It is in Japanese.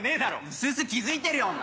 うすうす気付いてるよお前！